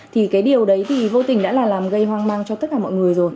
thì cái điều đấy thì vô tình đã là làm gây hoang mang cho tất cả mọi người rồi